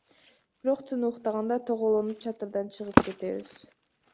Бирок түнү уктаганда тоголонуп чатырдан чыгып кетебиз.